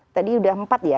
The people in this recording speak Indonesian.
tadi sudah empat ya